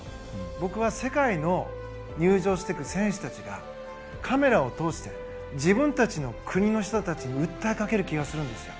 僕は世界の入場してくる選手たちがカメラを通して自分たちの国の人たちに訴えかける気がするんですよ。